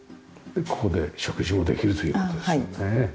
ここで食事もできるという事ですもんね。